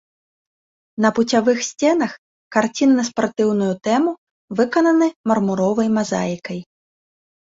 На пуцявых сценах карціны на спартыўную тэму выкананы мармуровай мазаікай.